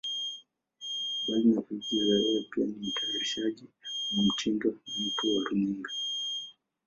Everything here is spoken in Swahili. Mbali na kuigiza, yeye pia ni mtayarishaji, mwanamitindo na mtu wa runinga.